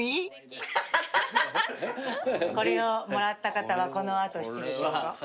これをもらった方はこの後７時集合。